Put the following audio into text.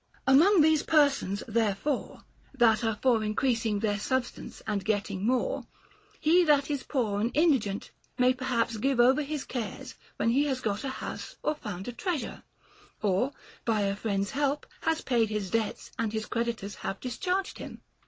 Among those persons, therefore, that are for increasing their substance and getting more, he that is poor and indi gent may perhaps give over his cares when he has got a house or found a treasure, or, by a friend's help, has paid his debts and his creditors have discharged him.